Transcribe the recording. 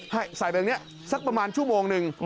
ให้ใส่ไปตรงนี้สักประมาณชั่วโมงนึง